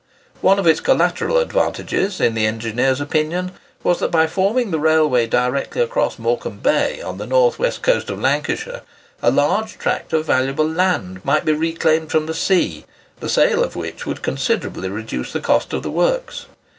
One of its collateral advantages, in the engineer's opinion, was, that by forming the railway directly across Morecambe Bay, on the north west coast of Lancashire, a large tract of valuable land might be reclaimed from the sea, the sale of which would considerably reduce the cost of the works.